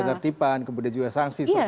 pertipan kebudayaan juga sanksi